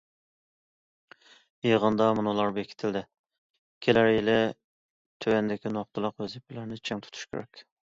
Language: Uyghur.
يىغىندا مۇنۇلار بېكىتىلدى: كېلەر يىلى تۆۋەندىكى نۇقتىلىق ۋەزىپىلەرنى چىڭ تۇتۇش كېرەك.